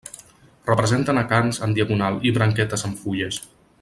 Representen acants en diagonal i branquetes amb fulles.